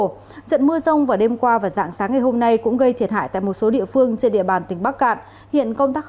trận mưa rông vào đêm qua và dạng sáng ngày hôm nay cũng gây thiệt hại tại một số địa phương trên địa bàn tỉnh bắc cạn